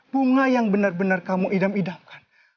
bunga yang benar benar kamu idam idamkan